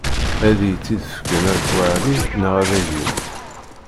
Ad iyi-tt-id-fken At Waɛli neɣ ad agin.